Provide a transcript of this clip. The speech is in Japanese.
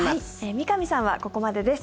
三上さんはここまでです。